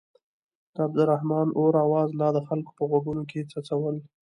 د عبدالرحمن اور اواز لا د خلکو په غوږونو کې څڅول.